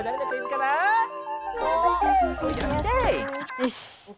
よし。